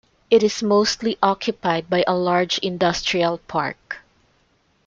It is mostly occupied by a large industrial park.